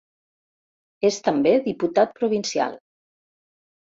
És també diputat provincial.